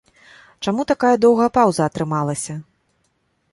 Чаму такая доўгая паўза атрымалася?